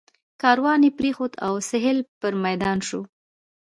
کاروان یې پرېښود او سهیل پر میدان شو.